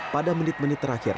pada menit menit terakhir